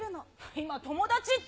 今、友達って。